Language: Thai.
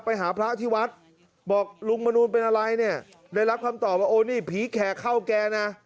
ไปหาพระที่วัดบอกลุงมนูลเป็นอะไรเนี่ยได้รับคำตอบว่าโอ้นี่ผีแขกเข้าแกนะ